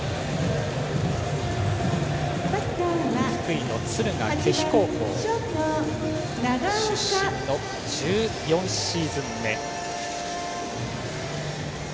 福井の敦賀気比高校出身の１４シーズン目。